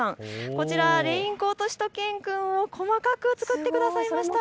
こちらレインコートしゅと犬くんを細かく作ってくださいました。